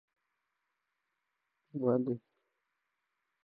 ذهني فشار د بدن غبرګون بدلوي.